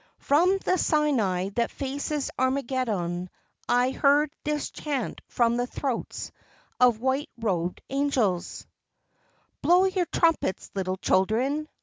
From the Sinai that faces Armageddon I heard this chant from the throats of white robed angels: Blow your trumpets, little children!